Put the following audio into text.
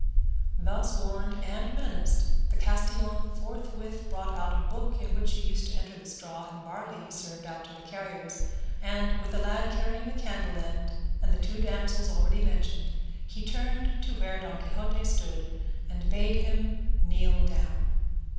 Thus warned and menaced, the castellan forthwith brought out a book in which he used to enter the straw and barley he served out to the carriers, and, with a lad carrying a candle end, and the two damsels already mentioned, he returned to where Don Quixote stood, and bade him kneel down.